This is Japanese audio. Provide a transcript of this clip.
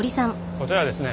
こちらはですね